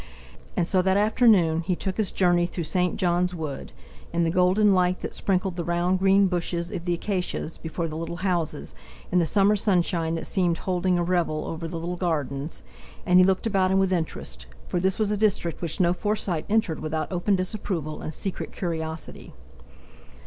And so that afternoon he took this journey through St. John's Wood, in the golden light that sprinkled the rounded green bushes of the acacia's before the little houses, in the summer sunshine that seemed holding a revel over the little gardens; and he looked about him with interest; for this was a district which no Forsyte entered without open disapproval and secret curiosity.